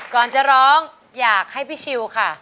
ก่อนจะร้องอยากให้พี่ชิวค่ะ